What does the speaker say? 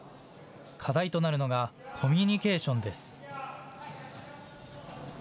課題となるのがコミュニケーションです。